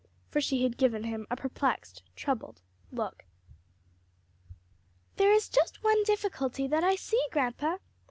For she had given him a perplexed, troubled look. "There is just one difficulty that I see, grandpa.